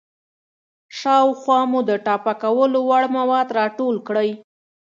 شاوخوا مو د ټاپه کولو وړ مواد راټول کړئ.